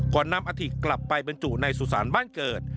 ก่อนนำอาทิตย์กลับไปเบินจุในสุสานบ้านเกิด